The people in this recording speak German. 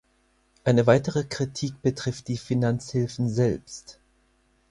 Eine weitere Kritik betrifft die Finanzhilfen selbst.